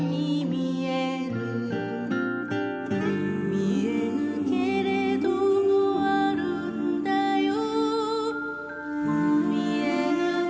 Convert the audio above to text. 「見えぬけれどもあるんだよ」